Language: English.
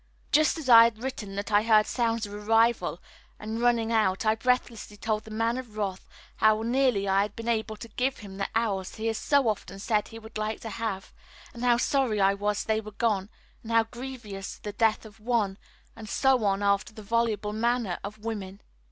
Just as I had written that I heard sounds of arrival, and running out I breathlessly told the Man of Wrath how nearly I had been able to give him the owls he has so often said he would like to have, and how sorry I was they were gone, and how grievous the death of one, and so on after the voluble manner of women.